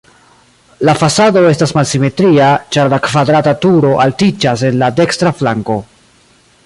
La fasado estas malsimetria, ĉar la kvadrata turo altiĝas en la dekstra flanko.